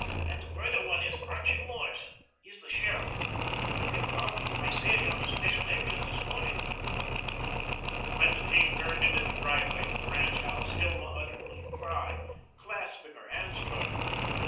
"That further one is Archie Moore's. He's the sheriff. He came down from Visalia on a special engine this morning." When the team turned into the driveway to the ranch house, Hilma uttered a little cry, clasping her hands joyfully.